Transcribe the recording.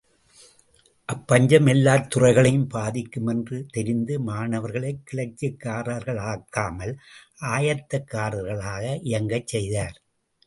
அப்பஞ்சம் எல்லாத் துறைகளையும் பாதிக்கும என்று தெரிந்து மாணவர்களைக் கிளர்ச்சிக்காரர்களாக்காமல், ஆயத்தக்காரர்களாக இயங்கச் செய்தார்.